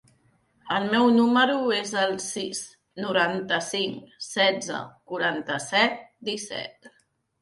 El meu número es el sis, noranta-cinc, setze, quaranta-set, disset.